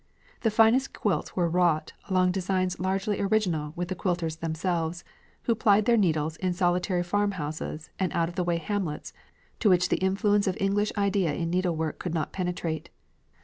The finest quilts were wrought along designs largely original with the quilters themselves, who plied their needles in solitary farmhouses and out of the way hamlets to which the influence of English idea in needlework could not penetrate.